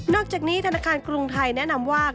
อกจากนี้ธนาคารกรุงไทยแนะนำว่า